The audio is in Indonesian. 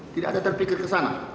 tidak ada terpikir kesana